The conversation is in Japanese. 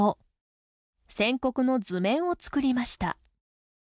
線刻の図面を作りました。